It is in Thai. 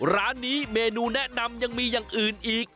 ร้านนี้เมนูแนะนำยังมีอย่างอื่นอีก